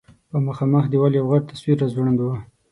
په مخامخ دېوال یو غټ تصویر راځوړند و.